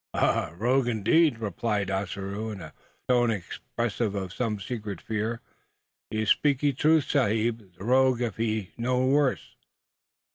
"Ah, rogue indeed!" replied Ossaroo, in a tone expressive of some secret fear. "You speakee true, sahib; the rogue, if he no worse."